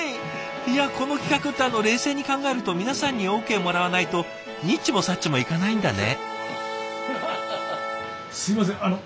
いやこの企画ってあの冷静に考えると皆さんにＯＫもらわないとにっちもさっちもいかないんだね。